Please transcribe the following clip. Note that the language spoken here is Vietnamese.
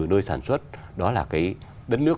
nơi sản xuất đó là cái đất nước